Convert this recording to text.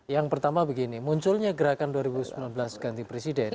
yang pertama begini munculnya gerakan dua ribu sembilan belas ganti presiden